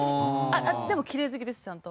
でもきれい好きですちゃんと。